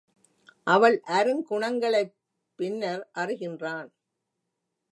அவள் அருங் குணங்களைப் பின்னர் அறிகின்றான்.